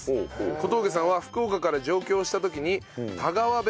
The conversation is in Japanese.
小峠さんは福岡から上京した時に。